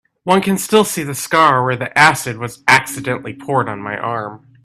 One can still see the scar where the acid was accidentally poured on my arm.